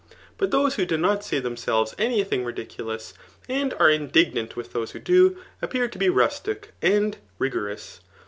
But those who do not say themselves any thing ridiculous, and are indignant with those who do, appear to be rustic and ri gorous.